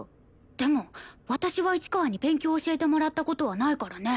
でも私は市川に勉強教えてもらった事はないからね。